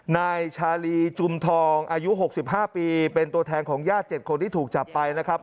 นายชาลีจุมทองอายุ๖๕ปีเป็นตัวแทนของญาติ๗คนที่ถูกจับไปนะครับ